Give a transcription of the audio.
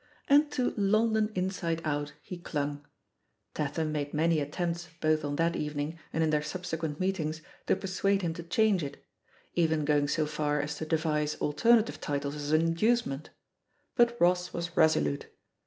" And to "London Inside Out" he clung. Tat liam made many attempts both on that evening and in their subsequent meetings to persuade him to change it — even going so far as to devise alter native titles as an inducement — ^but Ross was resolute.